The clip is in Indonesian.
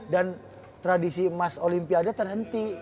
dan tradisi mas olimpiade terhenti